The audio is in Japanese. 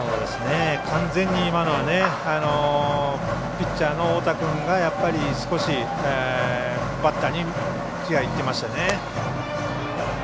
完全に今のはピッチャーの太田君が少し、バッターに気がいってましたね。